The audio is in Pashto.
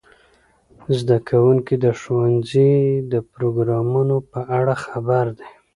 زده کوونکي د ښوونځي د پروګرامونو په اړه خبر دي.